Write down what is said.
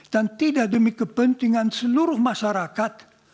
dan tidak demi kepentingan seluruh masyarakat